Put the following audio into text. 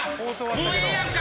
・もうええやんか！